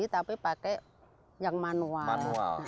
tapi pakai yang manual